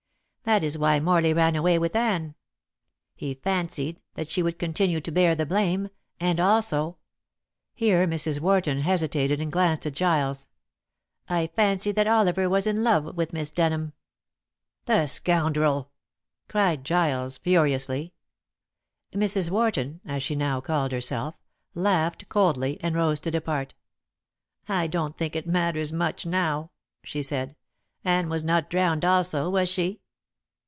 That is why Morley ran away with Anne. He fancied that she would continue to bear the blame, and also" here Mrs. Wharton hesitated and glanced at Giles "I fancy that Oliver was in love with Miss Denham." "The scoundrel!" cried Giles furiously. Mrs. Wharton as she now called herself laughed coldly and rose to depart. "I don't think it matters much now," she said. "Anne was not drowned also, was she?"